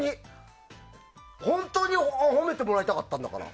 本当に褒めてもらいたかったんだから。